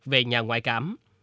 về nhà ngoại cảm